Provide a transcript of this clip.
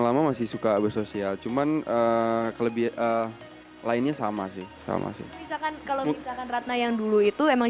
lama masih suka bersosial cuman kelebihan lainnya sama sih sama misalkan kalau misalkan ratna yang dulu itu emang